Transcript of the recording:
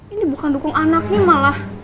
ini bukan dukung anaknya malah